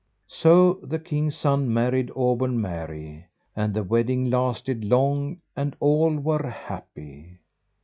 So the king's son married Auburn Mary and the wedding lasted long and all were happy.